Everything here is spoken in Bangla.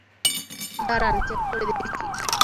দাঁড়ান, চেক করে দেখি।